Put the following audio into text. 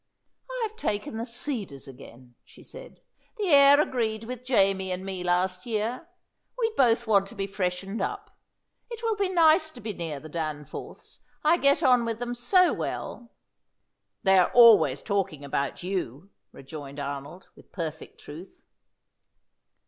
"I have taken The Cedars again," she said. "The air agreed with Jamie and me last year. We both want to be freshened up. It will be nice to be near the Danforths; I get on with them so well." "They are always talking about you," rejoined Arnold, with perfect truth.